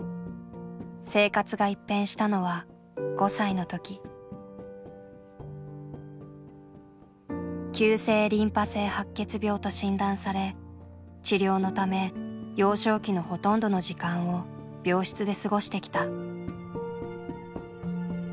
生活が一変したのは５歳の時。と診断され治療のため幼少期のほとんどの時間を病室で過ごしてきた。